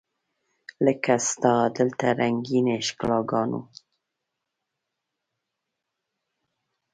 لکه ستا دلته رنګینې ښکالو ګانې